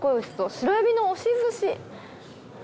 白えびの押寿し！